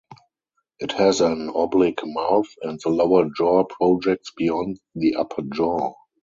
It has an oblique mouth and the lower jaw projects beyond the upper jaw.